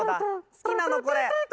好きなのこれ。